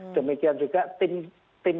demikian juga tim